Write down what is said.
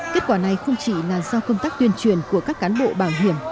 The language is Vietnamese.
kết quả này không chỉ là do công tác tuyên truyền của các cán bộ bảo hiểm